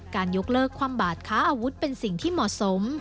ยกเลิกความบาดค้าอาวุธเป็นสิ่งที่เหมาะสม